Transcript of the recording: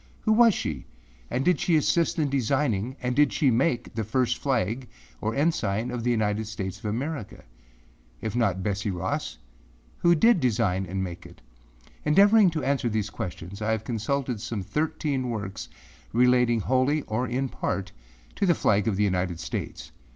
Who was she? And did she assist in designing and did she make the first flag or ensign of the United States of America? If not Betsey Ross, who did design and make it? Endeavoring to answer these questions, I have consulted some thirteen works relating wholly or in part to the flag of the United States.